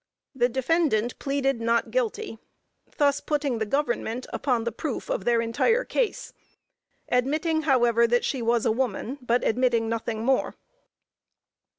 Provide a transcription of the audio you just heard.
The defendant pleaded not guilty thus putting the Government upon the proof of their entire case, admitting, however, that she was a woman, but admitting nothing more.